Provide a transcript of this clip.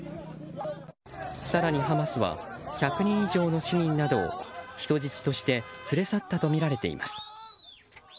更にハマスは１００人以上の市民などを人質として連れ去ったとみています。